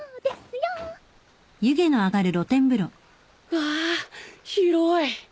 わあ広い！